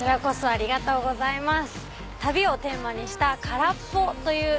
ありがとうございます。